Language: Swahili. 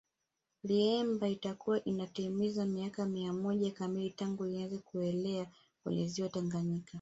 Liemba itakuwa inatimiza miaka mia moja kamili tangu ianze kuelea kwenye Ziwa Tanganyika